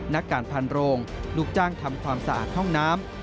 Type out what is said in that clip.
นักการพันโรงลูกจ้างทำความสะอาดห้องน้ำ